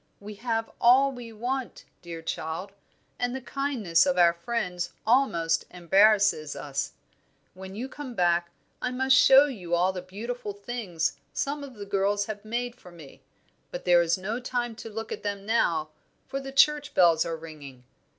We have all we want, dear child, and the kindness of our friends almost embarrasses us. When you come back I must show you the beautiful things some of the girls have made for me, but there is no time to look at them now, for the church bells are ringing."